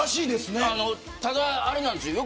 ただ、あれなんですよ。